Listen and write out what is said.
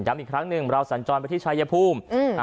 อีกครั้งหนึ่งเราสัญจรไปที่ชายภูมิ